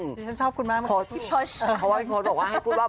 ที่ฉันชอบคุณมาก